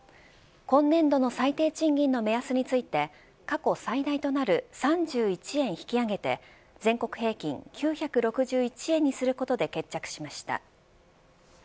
今年度の最低賃金の目安について過去最大となる３１円引き上げて全国平均９６１円にすることで決着しました。